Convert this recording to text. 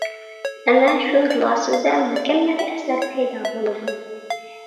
ئەنە شۇندىلا سىزدە مۇكەممەل ئەسەر پەيدا بولىدۇ.